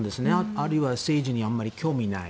あるいは政治にあまり興味がない。